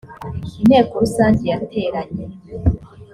inteko rusange yateranye.